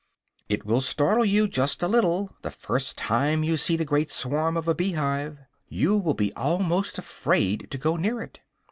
It will startle you just a little, the first time you see the great swarm of a bee hive. You will be almost afraid to go near it.